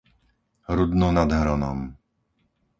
Rudno nad Hronom